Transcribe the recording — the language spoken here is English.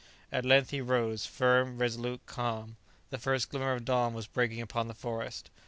At length he rose, firm, resolute, calm. The first glimmer of dawn was breaking upon the forest.